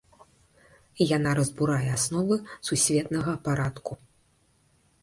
Яна разбурае асновы сусветнага парадку.